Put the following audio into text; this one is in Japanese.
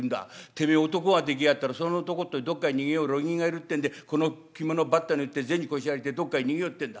てめえ男ができやがったらその男とどっかへ逃げよう路銀が要るってんでこの着物ばったに売って銭こしらえてどっかへ逃げようってんだ。